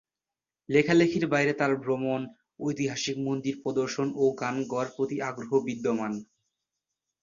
লেখালেখির বাইরে তার ভ্রমণ, ঐতিহাসিক মন্দির প্রদর্শন ও গান গাওয়ার প্রতি আগ্রহ বিদ্যমান।